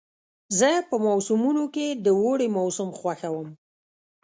زه په موسمونو کې د اوړي موسم خوښوم.